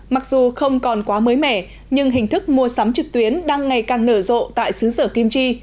mặc dù không còn quá mới mẻ nhưng hình thức mua sắm trực tuyến đang ngày càng nở rộ tại xứ sở kim chi